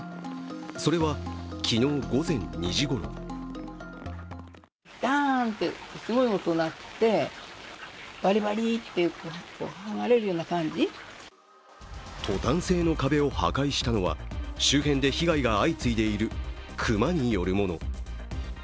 それは、昨日午前２時ごろトタン製の壁を破壊したのは周辺で被害が相次いでいる熊によるもの。